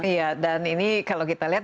iya dan ini kalau kita lihat